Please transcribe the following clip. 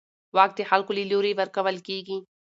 واک د خلکو له لوري ورکول کېږي